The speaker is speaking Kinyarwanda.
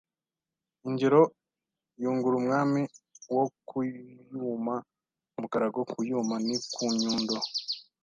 Ingero: yungura umwami wo ku yuma umukarago Ku yuma: ni ku Nyundo